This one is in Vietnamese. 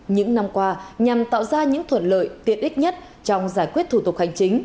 những năm qua nhằm tạo ra những thuận lợi tiện ích nhất trong giải quyết thủ tục hành chính